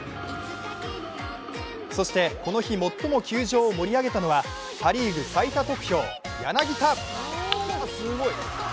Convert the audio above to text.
そして、この日最も球場を盛り上げたのはパ・リーグ最多得票・柳田。